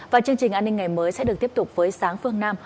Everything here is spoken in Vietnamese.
và chương trình an ninh ngày mới sẽ được tiếp tục với sáng phương nam